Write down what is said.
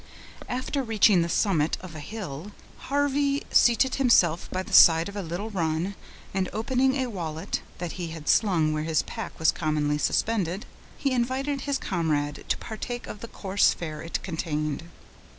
After reaching the summit of a hill, Harvey seated himself by the side of a little run, and opening a wallet, that he had slung where his pack was commonly suspended, he invited his comrade to partake of the coarse fare it contained.